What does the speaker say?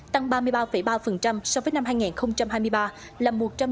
tăng ba mươi ba ba so với năm hai nghìn hai mươi ba